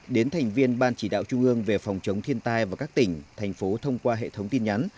đến thành viên ban chỉ đạo trung ương về phòng chống thiên tai và các tỉnh thành phố thông qua hệ thống tin nhắn